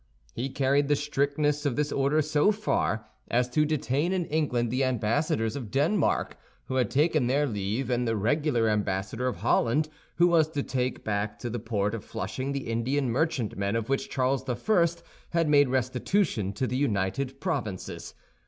He carried the strictness of this order so far as to detain in England the ambassadors of Denmark, who had taken their leave, and the regular ambassador of Holland, who was to take back to the port of Flushing the Indian merchantmen of which Charles I. had made restitution to the United Provinces.